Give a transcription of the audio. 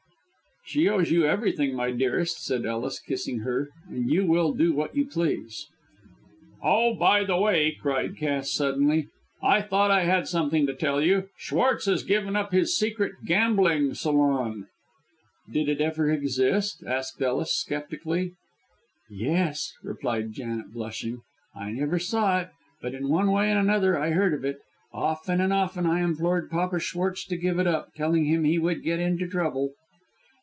"She owes you everything, my dearest," said Ellis, kissing her, "and you will do what you please." "Oh, by the way," cried Cass, suddenly, "I thought I had something to tell you. Schwartz has given up his secret gambling salon." "Did it ever exist?" said Ellis, sceptically. "Yes," replied Janet, blushing. "I never saw it, but in one way and another I heard of it. Often and often I implored Papa Schwartz to give it up, telling him he would get into trouble."